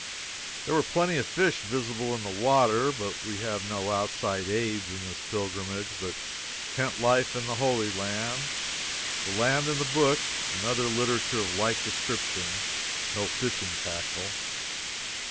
There were plenty of fish visible in the water, but we have no outside aids in this pilgrimage but "Tent Life in the Holy Land," "The Land and the Book," and other literature of like description no fishing tackle.